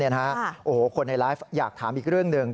โอ้โหคนในไลฟ์อยากถามอีกเรื่องหนึ่ง